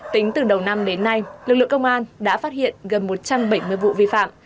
tính từ đầu năm đến nay lực lượng công an đã phát hiện gần một trăm bảy mươi vụ vi phạm